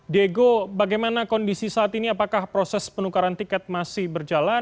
diego bagaimana kondisi saat ini apakah proses penukaran tiket masih berjalan